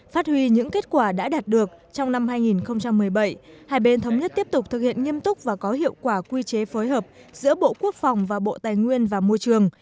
phát huy những kết quả đã đạt được trong năm hai nghìn một mươi bảy hai bên thống nhất tiếp tục thực hiện nghiêm túc và có hiệu quả quy chế phối hợp giữa bộ quốc phòng và bộ tài nguyên và môi trường